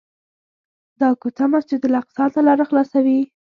دا کوڅه مسجدالاقصی ته لاره خلاصوي.